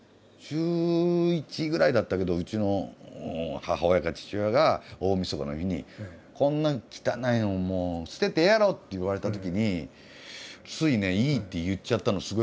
中１ぐらいだったけどうちの母親か父親が大みそかの日に「こんな汚いのもう捨ててええやろ」って言われたときについね「いい」って言っちゃったの。